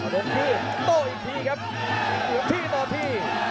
ตกอีกทีครับหนึ่งทีตกอีกที